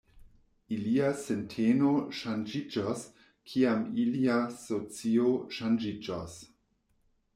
Ilia sinteno ŝanĝiĝos, kiam ilia socio ŝanĝiĝos.